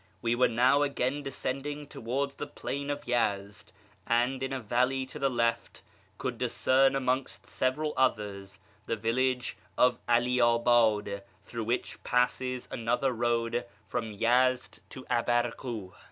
We were now again descending towards the plain of Yezd, and in a valley to the left could discern amongst several others the village of 'Ali abad, through which passes another road from Yezd to Abarkuh.